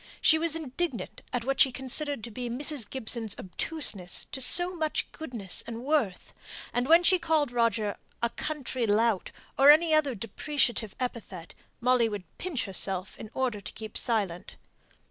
She was indignant at what she considered to be Mrs. Gibson's obtuseness to so much goodness and worth; and when she called Roger "a country lout," or any other depreciative epithet, Molly would pinch herself in order to keep silent.